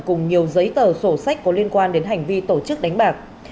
cùng nhiều giấy tờ sổ sách có liên quan đến hành vi tổ chức đánh bạc